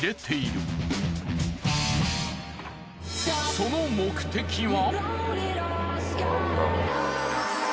その目的は。